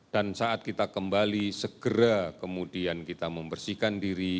dan saat kita kembali segera kemudian kita membersihkan diri